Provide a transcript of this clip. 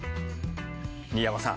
新山さん